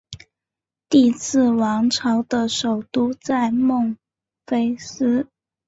第四王朝的首都在孟菲斯。